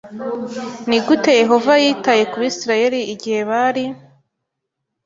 Ni gute Yehova yitaye ku Bisirayeli igihe bari